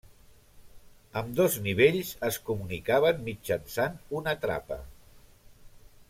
Ambdós nivells es comunicaven mitjançant una trapa.